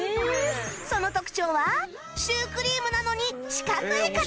その特徴はシュークリームなのに四角い形